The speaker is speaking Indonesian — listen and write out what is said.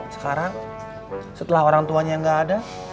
sekarang setelah orang tuanya nggak ada